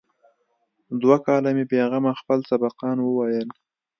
دوه کاله مې بې غمه خپل سبقان وويل.